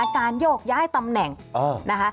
การโยกย้ายตำแหน่งนะคะ